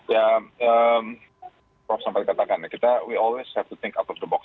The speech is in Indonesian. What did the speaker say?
ya profit sampai katakan kita selalu harus berpikir di atas kotak